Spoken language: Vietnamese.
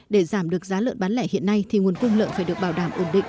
để giảm được giá lợn bán lẻ hiện nay thì nguồn cung lợn phải được bảo đảm ổn định